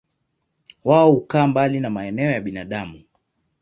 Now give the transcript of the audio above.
Wao hukaa mbali na maeneo ya binadamu.